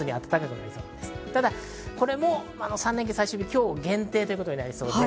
３連休最終日、今日限定ということになりそうです。